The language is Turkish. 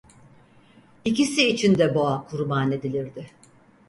İkisi için de boğa kurban edilirdi.